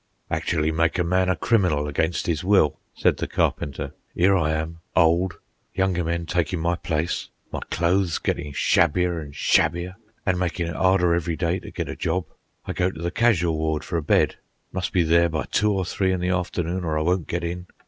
"Actually make a man a criminal against 'is will," said the Carpenter. "'Ere I am, old, younger men takin' my place, my clothes gettin' shabbier an' shabbier, an' makin' it 'arder every day to get a job. I go to the casual ward for a bed. Must be there by two or three in the afternoon or I won't get in.